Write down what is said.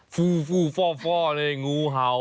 ฟู่ฟู่ฟ่องูเห่า